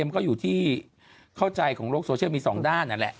มันก็อยู่ที่เข้าใจของโลกโซเชียลมีสองด้านนั่นแหละ